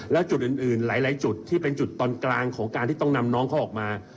แล้วจุดอื่นหลายจุดที่เป็นจุดตอนกลางของการที่ต้องนำน้องเขาออกมา